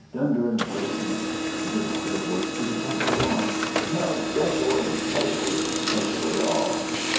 Dunder and Blitzen To the top of the porch, to the top of the wall! Now, dash away, dash away, dash away all!"